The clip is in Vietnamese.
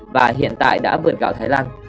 và hiện tại đã vượt gạo thái lan